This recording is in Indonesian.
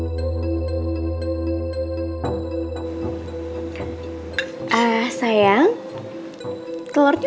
tak ada yang beristirahat sudah aja